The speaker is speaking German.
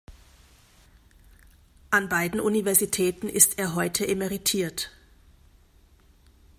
An beiden Universitäten ist er heute emeritiert.